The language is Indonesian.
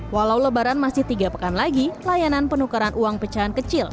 walau lebaran masih tiga pekan lagi layanan penukaran uang pecahan kecil